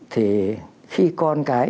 thì khi con cái